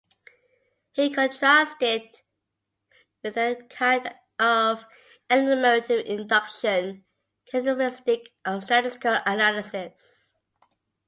He contrasted it with the kind of enumerative induction characteristic of statistical analysis.